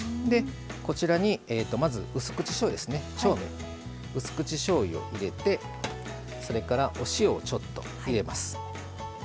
こちらにまずうす口しょうゆを入れてそれからお塩をちょっと入れます。